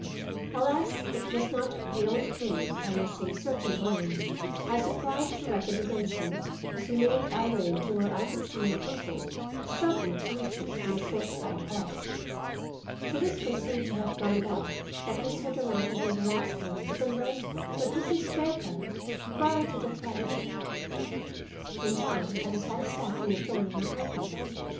Alas! it was not the only curious, I might say searching glance I surprised directed against him as we made our way to where I could see my uncle struggling to reach us from a short side hall. The whisper seemed to have gone about that Mr. Durand had been the last one to converse with Mrs. Fairbrother prior to the tragedy. In time I had the satisfaction of joining my uncle.